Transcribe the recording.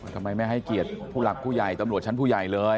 ทำไมไม่ให้เกียรติผู้หลักผู้ใหญ่ตำรวจชั้นผู้ใหญ่เลย